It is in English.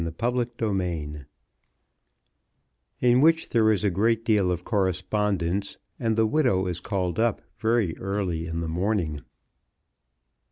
Chapter XLVIII In which there is a great deal of correspondence, and the widow is called up very early in the morning.